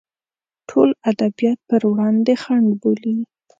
ټول ادبیات پر وړاندې خنډ بولي.